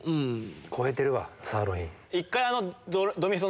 超えてるわサーロイン。